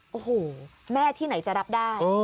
โอ้โหแม่ที่ไหนจะรับได้